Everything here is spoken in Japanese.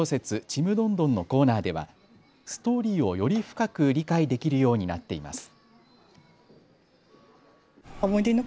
ちむどんどんのコーナーではストーリーをより深く理解できるようになっています。